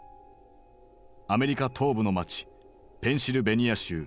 アメリカ東部の街ペンシルベニア州